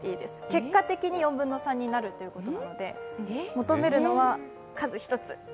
結果的に４分の３になるということなので、求めるのは数１つ。